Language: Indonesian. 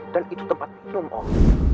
dan itu tempatnya om